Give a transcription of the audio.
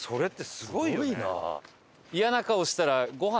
すごいな！